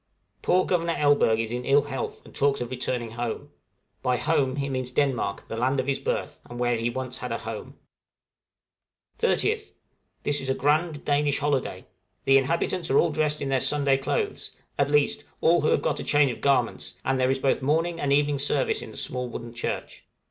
Poor Governor Elberg is in ill health, and talks of returning home by home he means Denmark, the land of his birth, and where once he had a home. {HOLIDAY IN GREENLAND.} 30th. This is a grand Danish holiday; the inhabitants are all dressed in their Sunday clothes at least, all who have got a change of garments and there is both morning and evening service in the small wooden church.